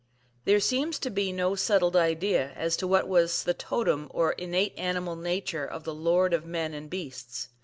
There seems to be no settled idea as to what was the totem or innate animal nature of the lord of men and beasts.